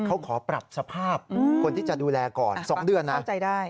เขาขอปรับสภาพคนที่จะดูแลก่อน๒เดือนนะ